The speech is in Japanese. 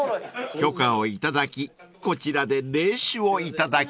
［許可を頂きこちらで冷酒をいただきます］